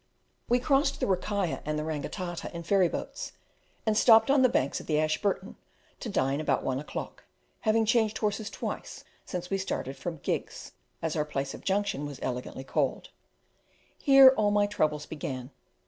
We crossed the Rakaia and the Rangitata in ferry boats, and stopped on the banks of the Ashburton, to dine about one o'clock, having changed horses twice since we started from "Gigg's," as our place of junction was elegantly called. Here all my troubles began.